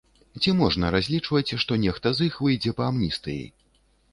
Ці можна разлічваць, што нехта з іх выйдзе па амністыі?